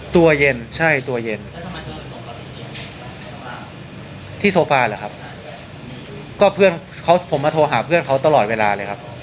ตัวเย็นใช่ตัวเย็นที่โซฟาเหรอครับก็เพื่อนเขาผมมาโทรหาเพื่อนเขาตลอดเวลาเลยครับ